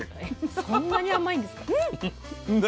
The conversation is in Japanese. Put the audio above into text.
そんなに甘いんですか。ね